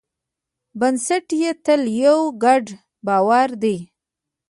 بنسټ یې تل یو ګډ باور دی.